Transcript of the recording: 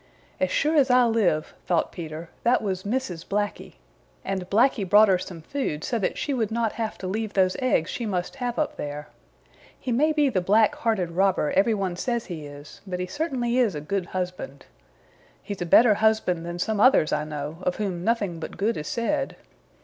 "As sure as I live," thought Peter, "that was Mrs. Blacky, and Blacky brought her some food so that she would not have to leave those eggs she must have up there. He may be the black hearted robber every one says he is, but he certainly is a good husband. He's a better husband than some others I know, of whom nothing but good is said.